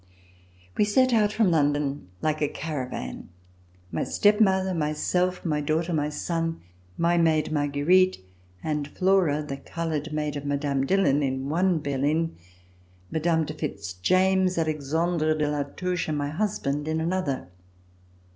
We set out from London like a caravan: my step mother, myself, my daughter, my son, my maid Marguerite and Flora, the colored maid of Mme. EXILE IN ENGLAND Dillon, in one berline; Mme. de Fitz James, Alexandre de La Touche and my husband in another.